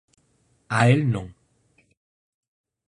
A el non.